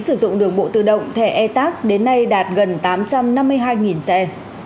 sử dụng đường bộ tự động thẻ e tac đến nay đạt gần tám trăm năm mươi hai xe